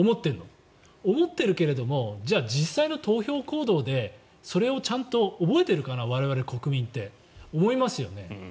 思っているけれどもじゃあ、実際の投票行動でそれをちゃんと覚えているかな我々国民ってと思いますね。